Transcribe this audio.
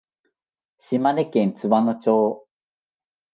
島根県津和野町